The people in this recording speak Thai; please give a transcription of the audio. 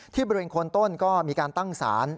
ที่บริเวณคนต้นก็มีการตั้งศาล